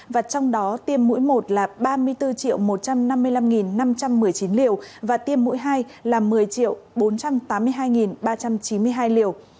và trong đó tiêm mũi một là ba mươi bốn một trăm năm mươi năm năm trăm một mươi chín liều và tiêm mũi hai là một mươi bốn trăm tám mươi hai ba trăm chín mươi hai liều